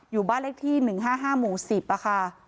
อยู่บ้านเลขที่๑๕๕หมู่๑๐ค่ะ